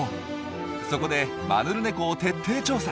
そこでマヌルネコを徹底調査。